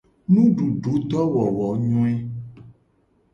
Nudududowowonyoe.